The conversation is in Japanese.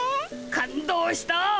感動した。